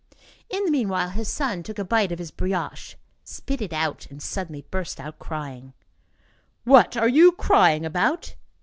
In the meanwhile, his son took a bite of his brioche, spit it out, and, suddenly burst out crying. "What are you crying about?"